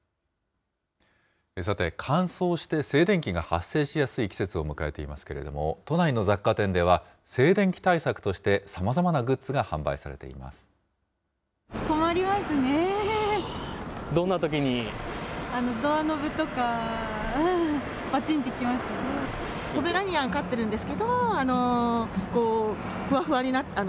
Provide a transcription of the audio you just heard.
さて、乾燥して静電気が発生しやすい季節を迎えていますけれども、都内の雑貨店では、静電気対策としてさまざまなグッズが販売されています。